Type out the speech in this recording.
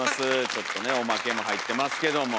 ちょっとねオマケも入ってますけども。